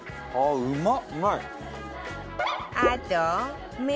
うまっ！